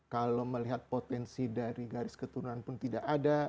kalau melihat potensi dari garis keturunan pun tidak ada